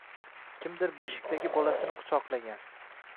kimdir beshikdagi bolasini quchoqlagan